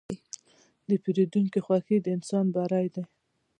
د پیرودونکي خوښي د انسان بری ده.